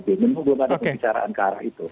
memungkinkan kebicaraan ke arah itu